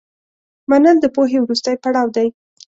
منل د پوهې وروستی پړاو دی.